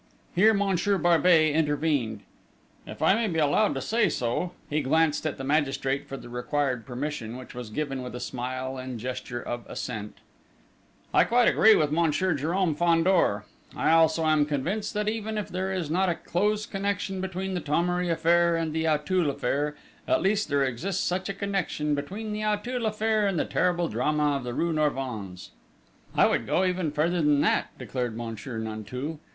Here Monsieur Barbey intervened. "If I may be allowed to say so" he glanced at the magistrate for the required permission, which was given with a smile and gesture of assent "I quite agree with Monsieur Jérôme Fandor. I also am convinced that, even if there is not a close connection between the Thomery affair and the Auteuil affair, at least there exists such a connection between the Auteuil affair and the terrible drama of rue Norvins." "I would go even further than that," declared Monsieur Nanteuil.